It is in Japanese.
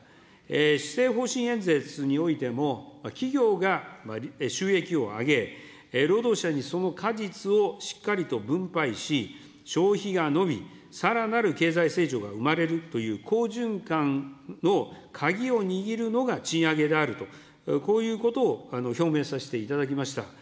施政方針演説においても、企業が収益を上げ、労働者にその果実をしっかりと分配し、消費が伸び、さらなる経済成長が生まれるという好循環の鍵を握るのが賃上げであると、こういうことを表明させていただきました。